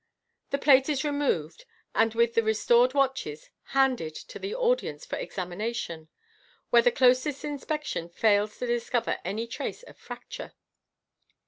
The plate is removed, and with the restoied watches handed to the audience for examina tion, when the closest inspection fails to dis cover any trace of fracture.